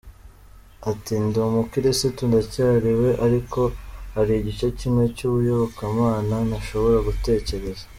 Ati “Ndi umukirisitu ndacyari we ariko hari igice kimwe cy’ubuyobokamana ntashobora gutekereza.